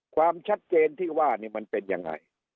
ความชัดเจนที่ว่านี่มันเป็นยังไง